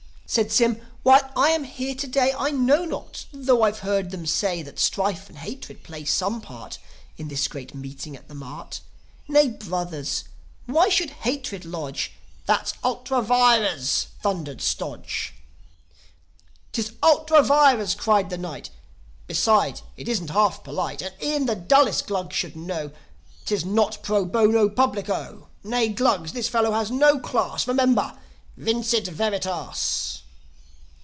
Said Sym: "Why I am here to day I know not; tho' I've heard them say That strife and hatred play some part In this great meeting at the Mart. Nay, brothers, why should hatred lodge ... "That's ultra vires!" thundered Stodge. "'Tis ultra vires!" cried the Knight. "Besides, it isn't half polite. And e'en the dullest Glug should know, 'Tis not pro bono publico. Nay, Glugs, this fellow is no class. Remember! Vincit veritas!"